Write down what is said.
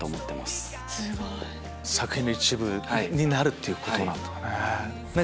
すごい！作品の一部になるっていうことなんだよね。